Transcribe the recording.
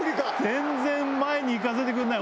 全然前に行かせてくれない。